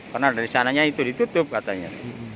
karena dari sananya itu ditutup katanya